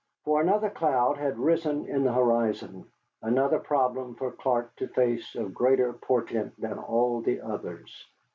For another cloud had risen in the horizon: another problem for Clark to face of greater portent than all the others.